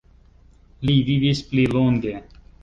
Li vivis pli longe.